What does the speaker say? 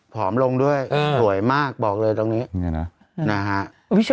อมลงด้วยสวยมากบอกเลยตรงนี้นะฮะ